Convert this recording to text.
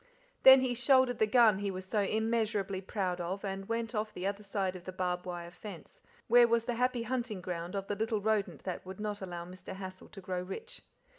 Then he shouldered the gun he was so immeasurably proud of and went off the other side of the barbed wire fence, where was the happy hunting ground of the little rodent that would not allow Mr. Hassal to grow rich.